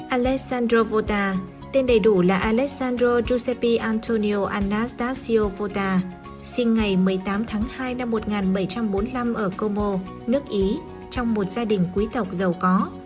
alessandro volta tên đầy đủ là alessandro giuseppe antonio anastasio volta sinh ngày một mươi tám tháng hai năm một nghìn bảy trăm bốn mươi năm ở como nước ý trong một gia đình quý tộc giàu có